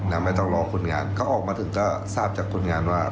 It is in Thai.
ไม่ต้องรอคนงานเขาออกมาถึงก็ทราบจากคนงานว่า